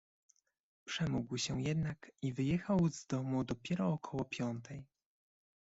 "Przemógł się jednak i wyjechał z domu dopiero około piątej."